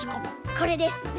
これです。